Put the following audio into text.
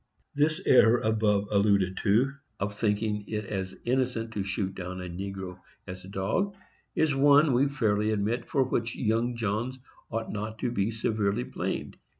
This error above alluded to, of thinking it is as innocent to shoot down a negro as a dog, is one, we fairly admit, for which young Johns ought not to be very severely blamed.